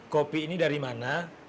kopi ini dari mana